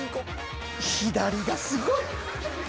左がすごい！